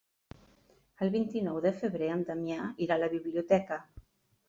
El vint-i-nou de febrer en Damià irà a la biblioteca.